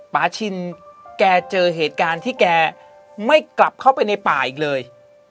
ชินแกเจอเหตุการณ์ที่แกไม่กลับเข้าไปในป่าอีกเลย